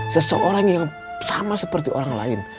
seseorang yang sama seperti orang lain